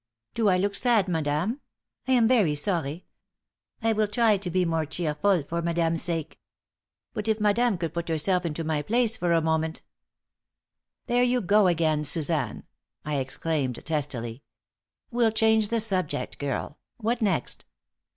'" "Do I look sad, madame? I am very sorry. I will try to be more cheerful, for madame's sake. But if madame could put herself into my place for a moment " "There you go again, Suzanne," I exclaimed, testily. "We'll change the subject, girl. What next?"